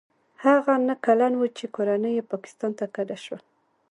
هغه نهه کلن و چې کورنۍ یې پاکستان ته کډه شوه.